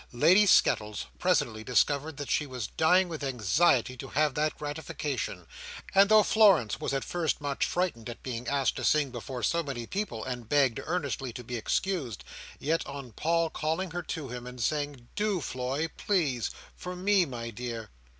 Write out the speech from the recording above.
Lady Skettles presently discovered that she was dying with anxiety to have that gratification; and though Florence was at first very much frightened at being asked to sing before so many people, and begged earnestly to be excused, yet, on Paul calling her to him, and saying, "Do, Floy! Please! For me, my dear!"